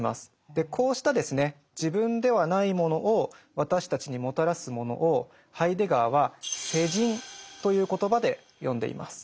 でこうしたですね自分ではないものを私たちにもたらすものをハイデガーは「世人」という言葉で呼んでいます。